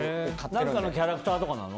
何かのキャラクターとかなの？